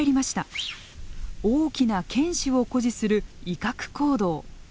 大きな犬歯を誇示する威嚇行動。